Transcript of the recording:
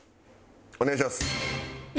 お願いします。